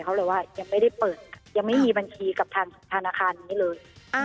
เขาเลยว่ายังไม่ได้เปิดยังไม่มีบัญชีกับทางธนาคารนี้เลย